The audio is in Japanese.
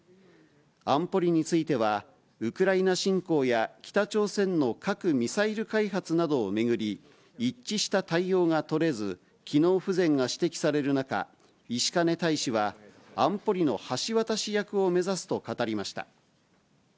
安保理については、ウクライナ侵攻や、北朝鮮の核・ミサイル開発などを巡り、一致した対応が取れず、機能不全が指摘される中、石兼大使は、安保理の橋渡し役を目指すと語りました。